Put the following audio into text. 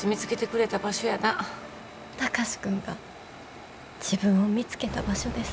貴司君が自分を見つけた場所です。